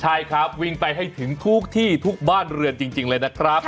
ใช่ครับวิ่งไปให้ถึงทุกที่ทุกบ้านเรือนจริงเลยนะครับ